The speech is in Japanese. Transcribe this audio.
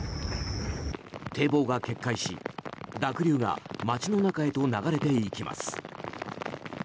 堤防が決壊し、濁流が街の中へと流れていきます。